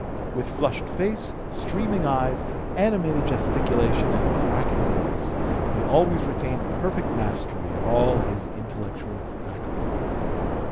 With flushed face, streaming eyes, animated gesticulation, and cracking voice, he always retained perfect mastery of all his intellectual faculties.